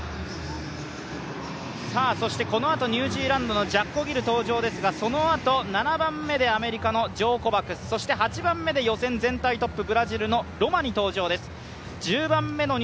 このあとニュージーランドのジャッコ・ギル登場ですが、そのあと７番目でアメリカのジョー・コバクス、そして８番目で予選全体トップ、ブラジルのロマニ選手が登場です。